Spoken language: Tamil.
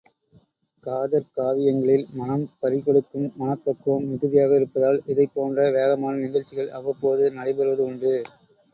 காதற் காவியங்களில் மனம் பறிகொடுக்கும் மனப்பக்குவம் மிகுதியாக இருப்பதால் இதைப் போன்ற வேகமான நிகழ்ச்சிகள் அவ்வப்போது நடைபெறுவது உண்டு.